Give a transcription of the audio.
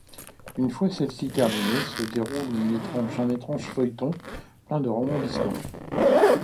Une fois celle-ci terminée se déroule un étrange feuilleton plein de rebondissements.